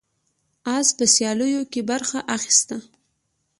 اس په سیالیو کې برخه اخیسته.